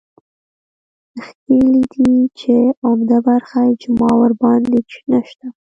ښييلي دي چې عمده برخه اجماع ورباندې نشته